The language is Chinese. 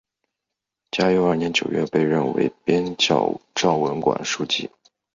嘉佑二年九月被任为编校昭文馆书籍。